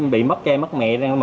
bị mất cây mất mẹ